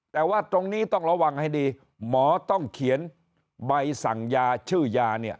แต่ว่าตรงนี้ต้องระวังให้ดีหมอต้องเขียนใบสั่งยาชื่อยาเนี่ย